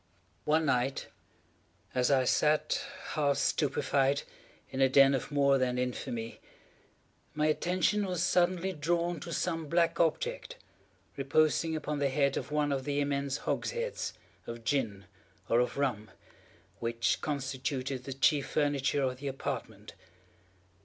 One night as I sat, half stupefied, in a den of more than infamy, my attention was suddenly drawn to some black object, reposing upon the head of one of the immense hogsheads of gin, or of rum, which constituted the chief furniture of the apartment.